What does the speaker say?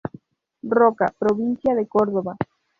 Roca, provincia de Córdoba.